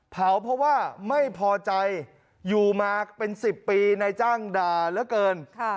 เผาเพราะว่าไม่พอใจอยู่มาเป็นสิบปีในจ้างดาระเกินค่ะ